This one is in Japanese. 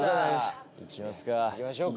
行きますか。